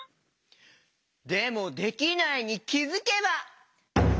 でも「できないに気づけば」？